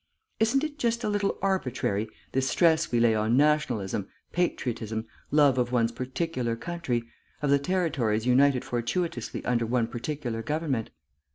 Isn't it just a little arbitrary, this stress we lay on nationalism, patriotism, love of one particular country, of the territories united fortuitously under one particular government?